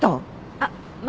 あっまあ